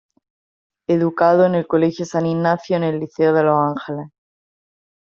Educado en el Colegio San Ignacio y en el Liceo de Los Ángeles.